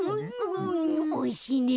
おいしいね。